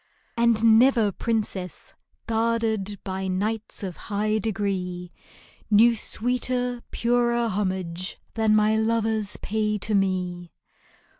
And never princess, guarded By knights of high degree, Knew sweeter, purer homage Than my lovers pay to me